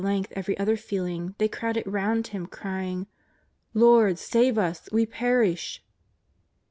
227 length every other feeling they crowded round Him cry« ing :'^ Lord, save ns, we perish